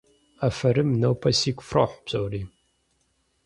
Афэрым! Нобэ сигу фрохь псори!